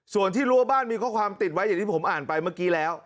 ส่วนที่รั้วบ้านมีข้อความติดไว้อย่างที่ผมอ่านไปเมื่อกี้แล้ว